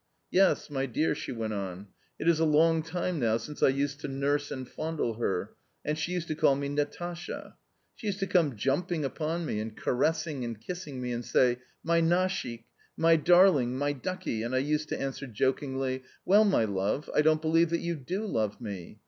"Yes, my dear," she went on, "it is a long time now since I used to nurse and fondle her, and she used to call me Natasha. She used to come jumping upon me, and caressing and kissing me, and say, 'MY Nashik, MY darling, MY ducky,' and I used to answer jokingly, 'Well, my love, I don't believe that you DO love me.